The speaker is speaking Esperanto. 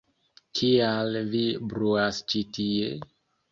Kial vi bruas ĉi tie?!